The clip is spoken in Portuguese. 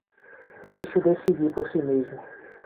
Deixe-o decidir por si mesmo